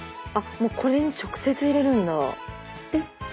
あもうこれに直接入れるんだ。